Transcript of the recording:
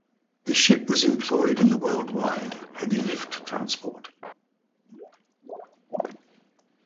The ship was employed in the worldwide heavy lift transport.